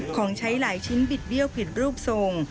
ของใช้หลายชิ้นบิดเบี้ยวผิดรูปทรง